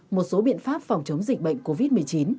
một số biện pháp phòng chống dịch bệnh covid một mươi chín